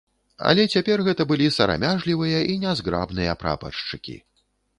Але цяпер гэта былі сарамяжлівыя і нязграбныя прапаршчыкі.